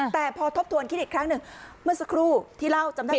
แต่พอทบทวนคิดอีกครั้งหนึ่งเมื่อสักครู่ที่เล่าจำได้